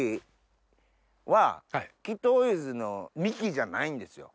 木頭ゆずの幹じゃないんですよ。